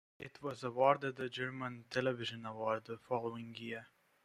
It was awarded a German Television Award the following year.